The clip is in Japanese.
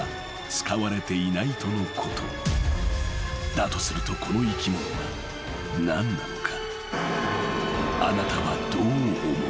［だとするとこの生き物は何なのか？］